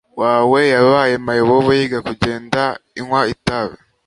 wawe yabaye mayibobo yiga kugenda inywa itabi